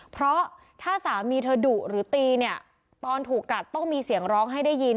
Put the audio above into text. เพราะถ้าสามีเธอดุหรือตีเนี่ยตอนถูกกัดต้องมีเสียงร้องให้ได้ยิน